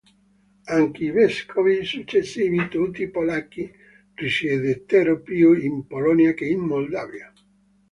Anche i vescovi successivi, tutti polacchi, risiedettero più in Polonia che in Moldavia.